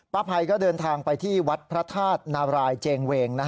ป้าพัยเดินทางไปที่วัดพระทาตริย์นาลายเจงเว่ง